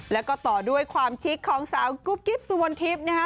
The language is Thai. แล้วก็ต่อด้วยความชิคของสาวกุ๊บกิ๊บสุมนทิพย์นะฮะ